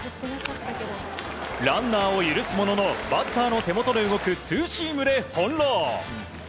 ランナーを許すもののバッターの手元で動くツーシームで翻弄。